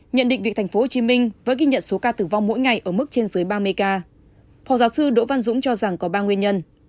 nhận định việc tp hcm với ghi nhận số ca tử vong mỗi ngày ở mức trên dưới ba mươi ca phó giáo sư đỗ văn dũng cho rằng có ba nguyên nhân